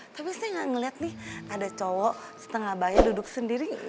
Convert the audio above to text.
tapi saya gak ngelihat nih ada cowok setengah bayi duduk sendiri